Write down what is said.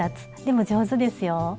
でも上手ですよ。